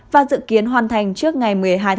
và dự kiến hoàn thành trước ngày một mươi hai tháng chín